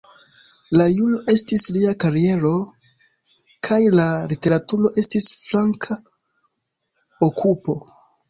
La juro estis lia kariero, kaj la literaturo estis flank-okupo.